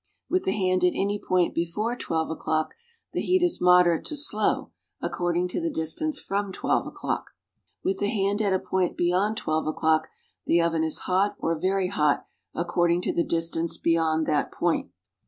Wifli the hand at any point before 12 o'clock the heat is moderate to slow according to the distance from 1'2 o'clock. ^Vith the hand at a point be yond 12 o'clock, the oven is hot or very hot according to the distance beyond that point.